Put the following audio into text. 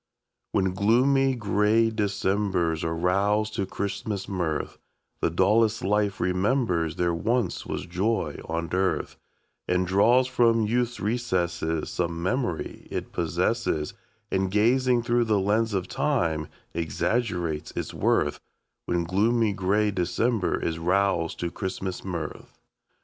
When gloomy, gray Decembers are roused to Christmas mirth, The dullest life remembers there once was joy on earth, And draws from youth's recesses Some memory it possesses, And, gazing through the lens of time, exaggerates its worth, When gloomy, gray December is roused to Christmas mirth.